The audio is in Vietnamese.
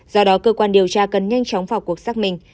do đó cơ quan điều tra cần nhanh chóng vào cuộc xác minh